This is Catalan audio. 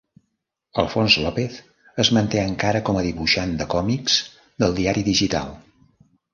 Alfons López es manté encara com a dibuixant de còmics del diari digital.